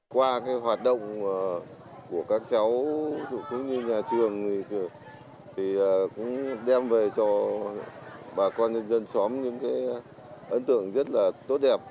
qua cái hoạt động của các cháu cũng như nhà trường thì cũng đem về cho bà con dân xóm những cái ấn tượng rất là tốt đẹp